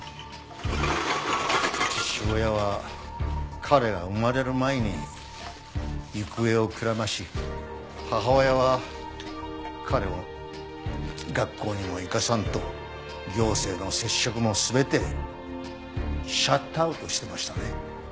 父親は彼が生まれる前に行方をくらまし母親は彼を学校にも行かさんと行政の接触も全てシャットアウトしてましたね。